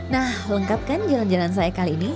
nah lengkapkan jalan jalan saya kali ini